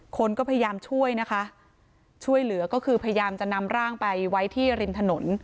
คนก็พยายามช่วยนะคะช่วยเหลือก็คือพยายามจะนำร่างไปไว้ที่ริมถนน